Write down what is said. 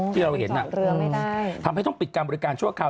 ที่เราเห็นทำให้ต้องปิดการบริการชั่วคราว